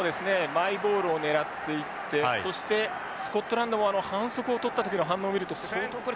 マイボールを狙っていってそしてスコットランドも反則をとった時の反応を見ると相当これ。